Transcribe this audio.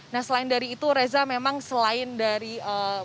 nah selain dari itu reza memang selain dari jalan raya lenteng agung ini